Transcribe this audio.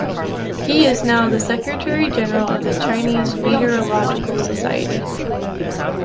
He is now the Secretary General of the Chinese Meteorological Society.